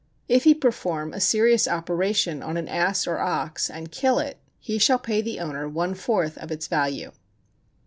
If he perform, a serious operation on an ass or ox, and kill it, he shall pay the owner one fourth of its value.